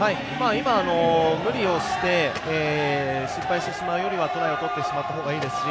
無理をして失敗してしまうよりはトライをとってしまったほうがいいですし。